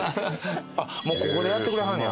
ここでやってくれはんねや。